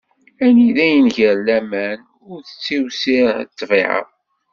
Anida inger laman, ur tettiwsiɛ ṭṭbiɛa.